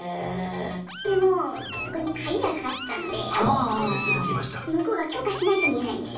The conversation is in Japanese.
でもそこに鍵がかかってたので向こうが許可しないと見れないんですよ。